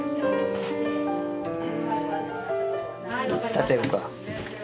立てるか？